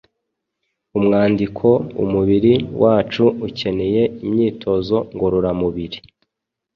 Umwandiko: Umubiri wacu ukeneye imyitozo ngororamubiri